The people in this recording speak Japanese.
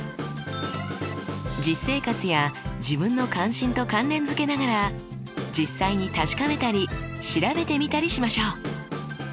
実生活や自分の関心と関連付けながら実際に確かめたり調べてみたりしましょう。